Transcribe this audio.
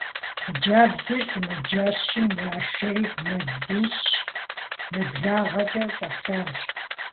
Хъыджэбзыр сымаджэщым яшэри, мазищ нэблагъэкӏэ щӀэлъащ.